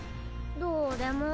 どうでも。